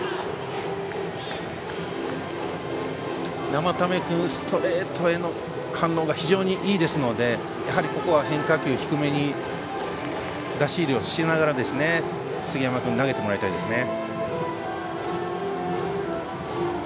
生田目君ストレートへの反応が非常にいいですのでここは変化球、低めに出し入れをしながら、杉山君投げてもらいたいですね。